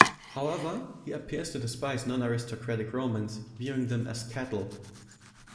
However, he appears to despise non-aristocratic Romans, viewing them as cattle.